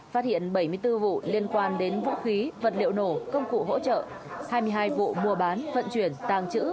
phát hiện bảy mươi bốn vụ liên quan đến vũ khí vật liệu nổ công cụ hỗ trợ hai mươi hai vụ mua bán vận chuyển tàng trữ